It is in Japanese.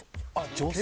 女性？